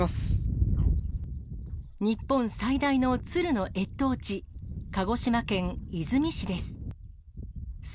日本最大のツルの越冬地、鹿児島県出水市です。